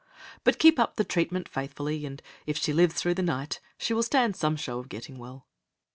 "But keep up the treatment faithfully, and if she lives through the night, she will stand some show of getting well."